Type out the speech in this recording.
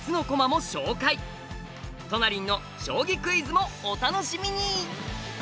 トナりんの将棋クイズもお楽しみに！